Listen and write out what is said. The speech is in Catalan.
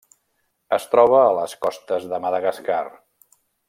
Es troba a les costes de Madagascar.